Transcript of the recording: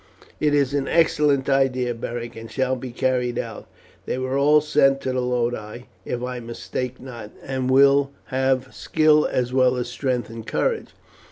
"It is an excellent idea, Beric, and shall be carried out. They were all sent to the ludi, if I mistake not, and will have skill as well as strength and courage.